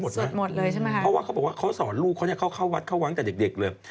เพราะว่าเขาบอกเค้าสอนลูกเค้าเข้าวัดเข้าวังตั้งแต่เด็กเลย